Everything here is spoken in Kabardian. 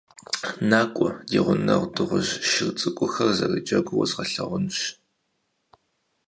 НакӀуэ, ди гъунэгъу дыгъужь шыр цӀыкӀухэр зэрыджэгур уэзгъэлъагъунщ!